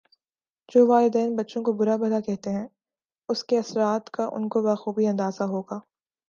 جو والدین بچوں کا برا بھلا کہتے ہیں اسکے اثرات کا انکو بخوبی اندازہ ہو گا